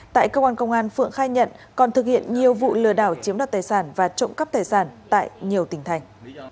tại cơ quan công an phượng khai nhận còn thực hiện nhiều vụ lừa đảo chiếm đoạt tài sản và trộm cắp tài sản tại nhiều tỉnh thành